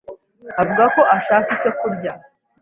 avuga ko ashaka icyo kurya.